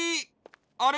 あれ？